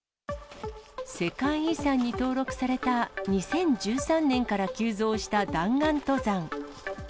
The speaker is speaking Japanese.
世界遺産に登録された２０１３年から急増した弾丸登山。